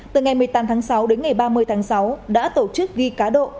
từ ngày một mươi tám tháng sáu đến ngày ba mươi tháng sáu đã tổ chức ghi cá độ